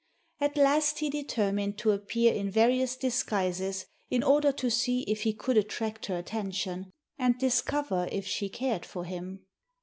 At last he determined to appear in various disguises in order to see if he could attract her attention, and discover if she cared for him.